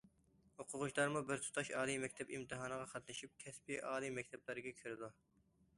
ئوقۇغۇچىلارمۇ بىر تۇتاش ئالىي مەكتەپ ئىمتىھانىغا قاتنىشىپ، كەسپىي ئالىي مەكتەپلەرگە كىرىدۇ.